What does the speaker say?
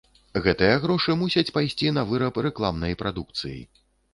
Гэтыя грошы мусяць пайсці на выраб рэкламнай прадукцыі.